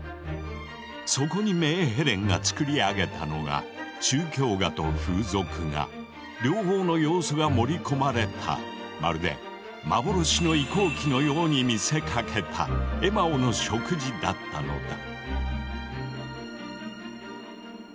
そこにメーヘレンが作り上げたのが宗教画と風俗画両方の要素が盛り込まれたまるで幻の移行期のように見せかけた「エマオの食事」だったのだ。